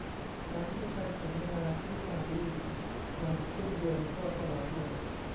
ฝันจะไปสัมมนาที่ปารีสตอนสิ้นเดือนก็สลายลง